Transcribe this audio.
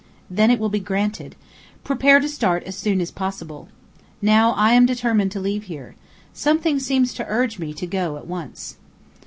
"Then it will be granted. Prepare to start as soon as possible. Now, I am determined to leave here. Something seems to urge me to go at once."